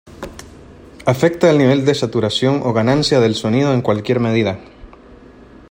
Afecta al nivel de saturación o ganancia del sonido en cualquier medida.